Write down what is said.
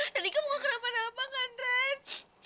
rani kamu gak kenapa napa kan ren